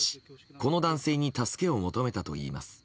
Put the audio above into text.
この男性に助けを求めたといいます。